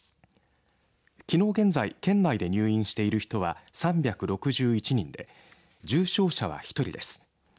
きのう現在県内で入院している人は３６１人で重症者は１人です。